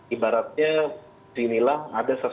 ibaratnya sinilah ada sebuah